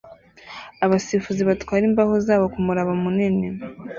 Abasifuzi batwara imbaho zabo kumuraba munini